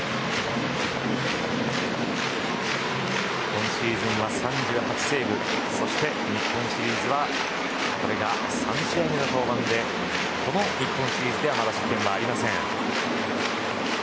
今シーズンは３８セーブそして日本シリーズはこれが３試合目の登板でこの日本シリーズではまだ失点はありません。